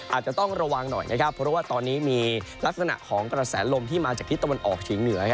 อาจจะต้องระวังหน่อยนะครับเพราะว่าตอนนี้มีลักษณะของกระแสลมที่มาจากทิศตะวันออกเฉียงเหนือ